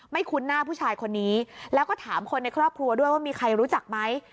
คุ้นหน้าผู้ชายคนนี้แล้วก็ถามคนในครอบครัวด้วยว่ามีใครรู้จักไหม